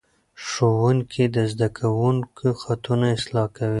ښوونکي د زده کوونکو خطونه اصلاح کوي.